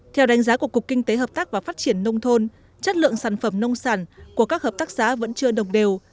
theo đánh giá của cục kinh tế hợp tác và phát triển nông thôn chất lượng sản phẩm nông sản của các hợp tác xã vẫn chưa đồng đều